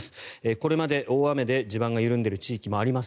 これまでの大雨で地盤が緩んでいる地域もあります。